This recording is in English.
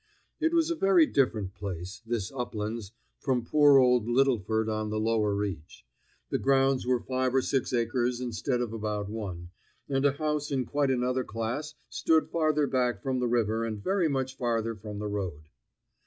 It was a very different place, this Uplands, from poor old Littleford on the lower reach. The grounds were five or six acres instead of about one, and a house in quite another class stood farther back from the river and very much farther from the road.